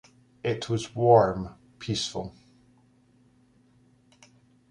It was warm, peaceful.